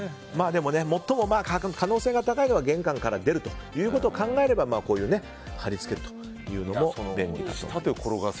でも、最も可能性が高いのは玄関から出るということを考えればこういう貼り付けというのも便利だと思います。